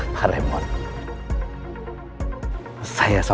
pesta mel semalam